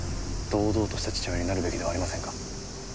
堂々とした父親になるべきではありませんか？